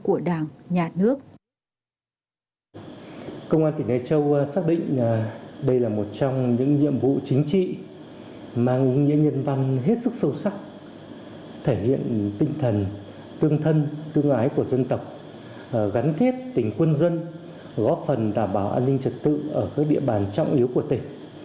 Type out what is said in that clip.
công an tỉnh lai châu xác định đây là một trong những nhiệm vụ chính trị mang những nhân văn hết sức sâu sắc thể hiện tinh thần tương thân tương ái của dân tộc gắn kết tỉnh quân dân góp phần đảm bảo an ninh trật tự ở các địa bàn trọng yếu của tỉnh